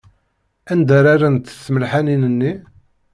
Anda ara rrent tmelḥanin-nni?